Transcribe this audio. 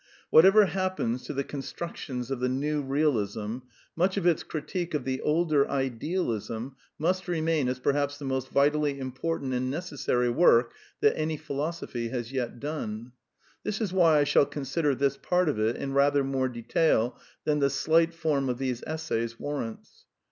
Whatever happens to the constructions of the New Realism, much of its y critique of the older Idealism must remain as perhaps the i^ most vitally important and necessary work that any phi losophy has yet done. This is why I shall consider this part of it in rather more detail than the slight form of these essays warrants.